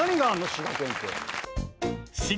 「滋賀県」って。